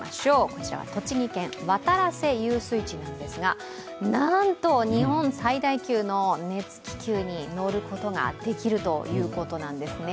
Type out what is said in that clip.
こちらは栃木県、渡良瀬遊水地なんですが、なんと日本最大級の熱気球に乗ることができるということなんですね。